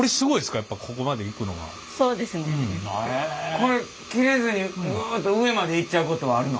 これ切れずにぐっと上までいっちゃうことはあるの？